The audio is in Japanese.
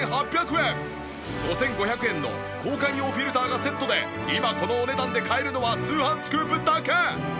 ５５００円の交換用フィルターがセットで今このお値段で買えるのは『通販スクープ』だけ！